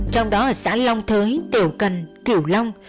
trong đó ở xã long thới tiểu cần cửu long